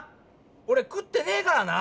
おれ食ってねえからな！